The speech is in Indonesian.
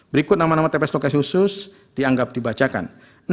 berikut nama nama tps lokasi khusus dianggap dibacakan